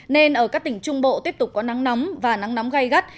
nên ở các tỉnh trung bộ tiếp tục có nắng nóng và nắng nóng gai gắt